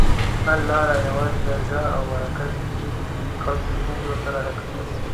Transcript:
حل لاره یوازې جرګې اومرکي دي چي دخلګوستونزې ورسره حل کیږي